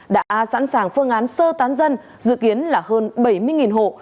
đã sẵn sàng phương án sơ tán dân dự kiến là hơn bảy mươi hộ